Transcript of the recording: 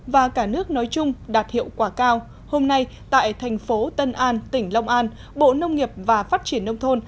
và cả nước nói chung đạt hiệu quả cao hôm nay tại thành phố tân an tỉnh long an bộ nông nghiệp và phát triển nông thôn